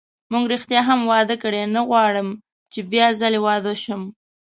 موږ ریښتیا هم واده کړی، نه غواړم چې بیا ځلي واده شم.